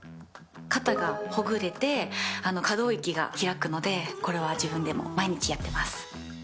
肩がほぐれて可動域が開くのでこれは自分でも毎日やってます。